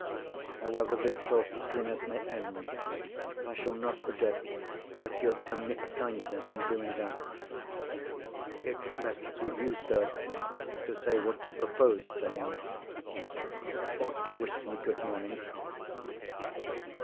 However this talk between us may end, I shall not forget that you have done me a kindness in doing that. It rests with you, sir, to say what you proposed saying, or to wish me good morning."